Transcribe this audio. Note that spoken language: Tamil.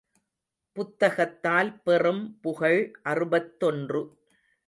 புத்தகத்தால் பெறும் புகழ் அறுபத்தொன்று.